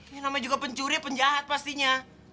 yang namanya juga pencuri penjahat pastinya